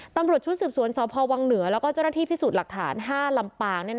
ตำรวจชุดสืบสวนสพวังเหนือแล้วก็เจ้าหน้าที่พิสูจน์หลักฐาน๕ลำปาง